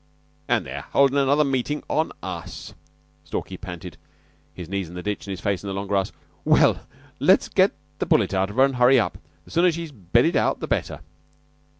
"An' they're holdin' another meeting on us," Stalky panted, his knees in the ditch and his face in the long grass. "Well, let's get the bullet out of her and hurry up. The sooner she's bedded out the better."